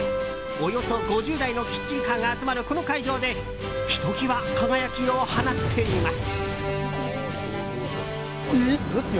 およそ５０台のキッチンカーが集まるこの会場でひときわ輝きを放っています。